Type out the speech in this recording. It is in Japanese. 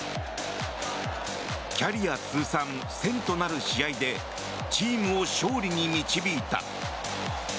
キャリア通算１０００となる試合でチームを勝利に導いた。